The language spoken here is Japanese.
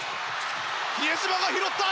比江島が拾った。